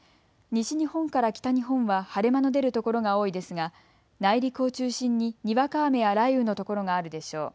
西日本から北日本は晴れ間の出る所が多いですが内陸を中心ににわか雨や雷雨の所があるでしょう。